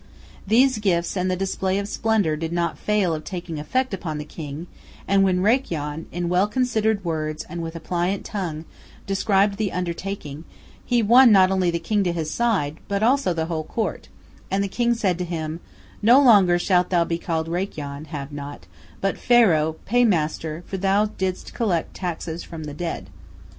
These gifts and the display of splendor did not fail of taking effect upon the king, and when Rakyon, in well considered words and with a pliant tongue, described the undertaking, he won not only the king to his side, but also the whole court, and the king said to him, "No longer shalt thou be called Rakyon, Have naught, but Pharaoh, Paymaster, for thou didst collect taxes from the dead."